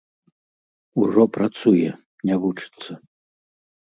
Ужо працуе, не вучыцца.